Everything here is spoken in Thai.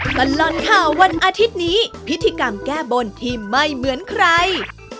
ตลอดข่าววันอาทิตย์นี้พิธีกรรมแก้บนที่ไม่เหมือนใคร